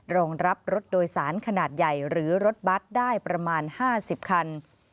รองรับรถโดยสารขนาดใหญ่หรือรถบัตรได้ประมาณ๕๐คัน